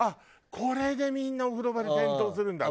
これでみんなお風呂場で転倒するんだっていうのが。